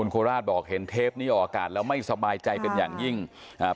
โคราชบอกเห็นเทปนี้ออกอากาศแล้วไม่สบายใจเป็นอย่างยิ่งอ่า